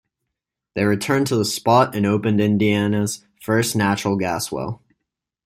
They returned to the spot and opened Indiana's first natural gas well.